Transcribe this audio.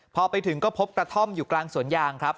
พอไปถึงก็พบกระท่อมอยู่กลางสวนยางครับ